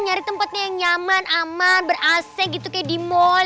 nyari tempatnya yang nyaman aman ber ac gitu kayak di mall